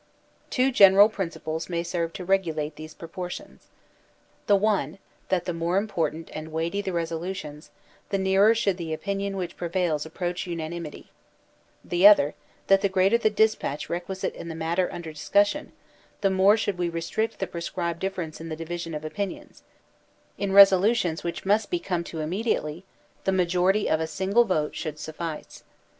Two general principles may serve to regulate these pro portions: the one, that the more important and weighty the resolutions, the nearer should the opinion which pre vails approach tmanimity; the other, that the greater the despatch requisite in the matter under discussion, the more should we restrict the prescribed difference in the division of opinions; in resolutions which must be come to immediately the majority of a single vote should suf fice.